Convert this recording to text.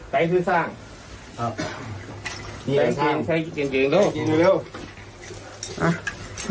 กลิ่มเกลียดเลย